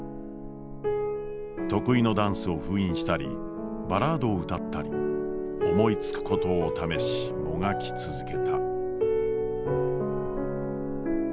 得意のダンスを封印したりバラードを歌ったり思いつくことを試しもがき続けた。